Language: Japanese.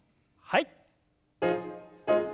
はい。